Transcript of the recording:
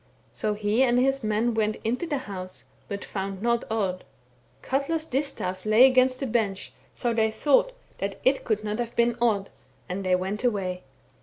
So he and his men went into the house, but found not Odd. Katla's distaif lay against the bench, so they thought that it could not have been Odd, and they went away.